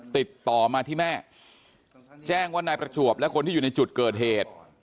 ติดต่อมาที่แม่แจ้งว่านายประจวบและคนที่อยู่ในจุดเกิดเหตุ